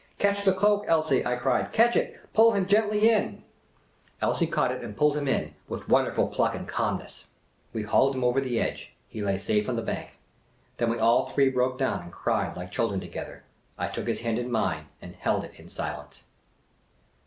" Catch the cloak, Elsie !" I cried ;" catch it : pull him gently in !" Elsie 142 Miss Caylcy's Adventures caught it and pulled him in, with wonderful pluck and calm ness. We hauled him over the edge. He lay safe on the bank. Then we all three broke down and cried like children together. I took his hand in mine and held it in silence.